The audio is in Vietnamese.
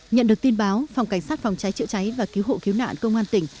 nhận được tin báo phòng cảnh sát phòng cháy chữa cháy và cứu hộ cứu nạn công an tỉnh